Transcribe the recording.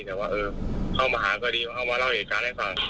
แต่เค้ามาหาก็ดีเอามาเล่าเหตุการณ์ให้ฟัง